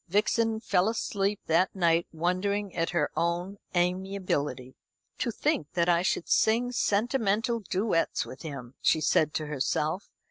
Vixen fell asleep that night wondering at her own amiability. "To think that I should sing sentimental duets with him," she said to herself.